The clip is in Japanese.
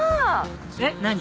えっ何？